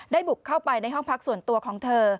บุกเข้าไปในห้องพักส่วนตัวของเธอ